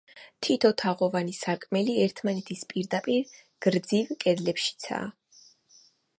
თითო თაღოვანი სარკმელი, ერთმანეთის პირდაპირ, გრძივ კედლებშიცაა.